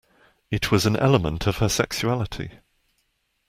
It was an element of her sexuality.